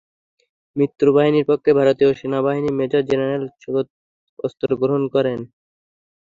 মিত্রবাহিনীর পক্ষে ভারতীয় সেনাবাহিনীর মেজর জেনারেল সগৎ সিং অস্ত্র গ্রহণ করেন।